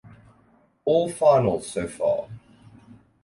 All finals so far.